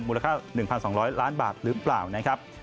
มูลค่า๑๒๐๐ล้านบาทหรือเปล่านะครับ